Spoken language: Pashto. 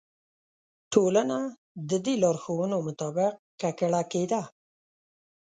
ټولنه د دې لارښوونو مطابق ککړه کېده.